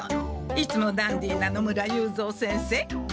いつもダンディーな野村雄三先生。